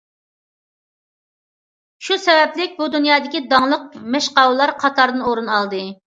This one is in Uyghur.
شۇ سەۋەبلىك ئۇ دۇنيادىكى داڭلىق مەشقاۋۇللار قاتاردىن ئورۇن ئالدى.